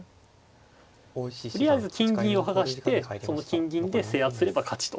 とりあえず金銀を剥がしてその金銀で制圧すれば勝ちと。